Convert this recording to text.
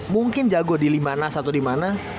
mungkin jago di limanas atau dimana